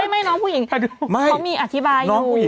ไม่น้องผู้หญิงเขามีอธิบายอยู่